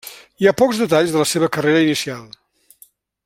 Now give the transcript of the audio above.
Hi ha pocs detalls de la seva carrera inicial.